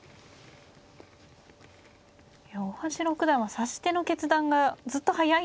大橋六段は指し手の決断がずっと速いんですけれど。